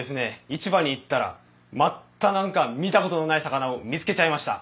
市場に行ったらまた何か見たことのない魚を見つけちゃいました。